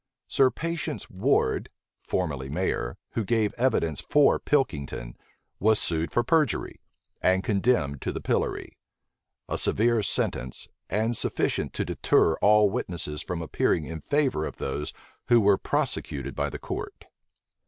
Sir Patience Ward, formerly mayor, who gave evidence for Pilkington, was sued for perjury, and condemned to the pillory; a severe sentence, and sufficient to deter all witnesses from appearing in favor of those who were prosecuted by the court.